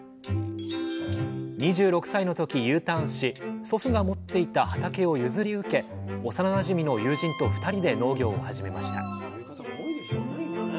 ２６歳の時Ｕターンし祖父が持っていた畑を譲り受け幼なじみの友人と２人で農業を始めました